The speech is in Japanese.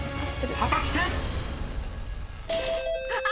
［果たして⁉］あ！